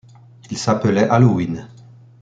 Il s'appelait Allowyn.